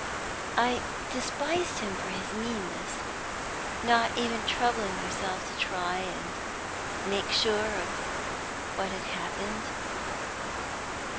I despised him for his meanness, not even troubling myself to try and make sure of what had happened.